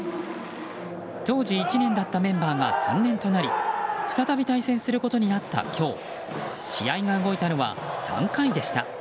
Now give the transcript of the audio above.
当時１年だったメンバーが３年となり再び対戦することとなった今日試合が動いたのは３回でした。